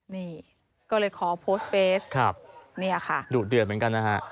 นี่ก็เลยขอโพสต์เฟสเนี่ยค่ะดุเดือดเหมือนกันนะฮะ